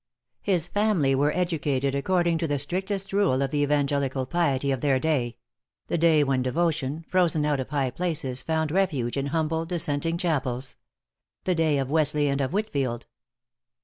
His family were educated according to the strictest rule of the evangelical piety of their day the day when devotion, frozen out of high places, found refuge in humble dissenting chapels the day of Wesley and of Whitfield.